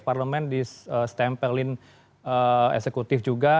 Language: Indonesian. parlement di stempelin eksekutif juga